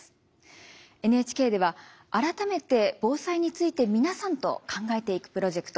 ＮＨＫでは改めて防災について皆さんと考えていくプロジェクト